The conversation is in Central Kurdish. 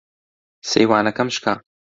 سەیوانەکەم شکا.